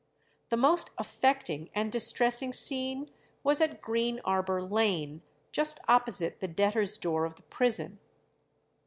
The most affecting and distressing scene was at Green Arbour Lane, just opposite the debtors' door of the prison.